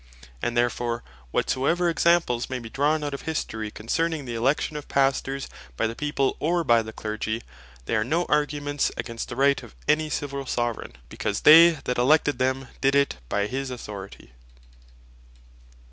And therefore whatsoever examples may be drawn out of History, concerning the Election of Pastors, by the People, or by the Clergy, they are no arguments against the Right of any Civill Soveraign, because they that elected them did it by his Authority.